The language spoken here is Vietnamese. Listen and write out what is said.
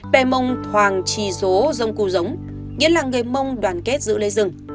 pè mông hoàng trì rố rông cù rống nghĩa là người mông đoàn kết giữ lấy rừng